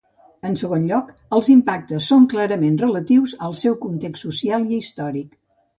En segon lloc, els impactes són clarament relatius al seu context social i històric.